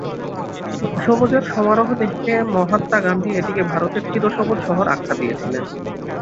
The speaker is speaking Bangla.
সবুজের সমারোহ দেখে মহাত্মা গান্ধী এটিকে ভারতের চিরসবুজ শহর আখ্যা দিয়েছিলেন।